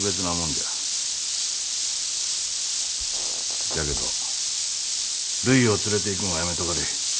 じゃけどるいを連れていくんはやめとかれ。